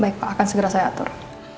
baik akan segera saya atur